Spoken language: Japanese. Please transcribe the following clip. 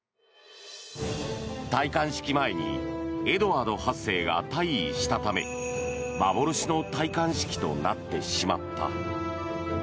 戴冠式前にエドワード８世が退位したため幻の戴冠式となってしまった。